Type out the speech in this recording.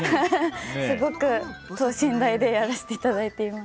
すごく等身大でやらせていただいています。